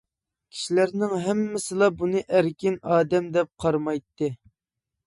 كىشىلەرنىڭ ھەممىسىلا ئۇنى ئەركىن ئادەم دەپ قارىمايتتى.